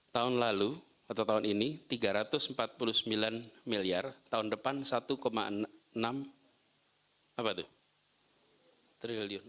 tahun lalu atau tahun ini tiga ratus empat puluh sembilan miliar tahun depan satu enam triliun